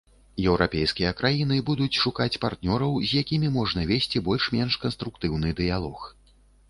Еўрапейскія краіны будуць шукаць партнёраў, з якімі можна весці больш-менш канструктыўны дыялог.